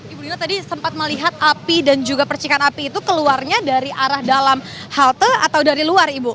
ibu dino tadi sempat melihat api dan juga percikan api itu keluarnya dari arah dalam halte atau dari luar ibu